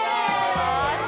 よし！